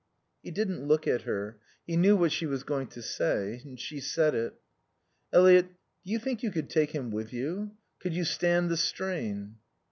He didn't look at her. He knew what she was going to say. She said it. "Eliot do you think you could take him with you? Could you stand the strain?"